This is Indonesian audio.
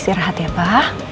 istirahat ya pa